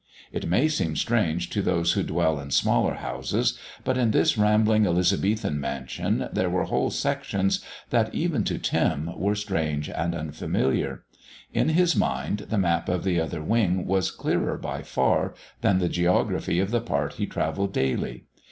It may seem strange to those who dwell in smaller houses, but in this rambling Elizabethan mansion there were whole sections that, even to Tim, were strange and unfamiliar. In his mind the map of the Other Wing was clearer by far than the geography of the part he travelled daily.